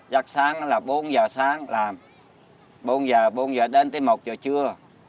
giấc sáng là bốn h sáng làm bốn h đến một h trưa